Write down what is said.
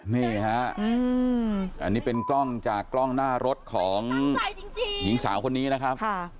นี่ฮะอันนี้เป็นกล้องจากกล้องหน้ารถของหญิงสาวคนนี้นะครับ